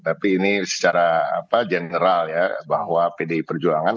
tapi ini secara general ya bahwa pdi perjuangan